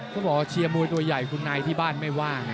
เขาบอกว่าเชียร์มวยตัวใหญ่คุณนายที่บ้านไม่ว่าไง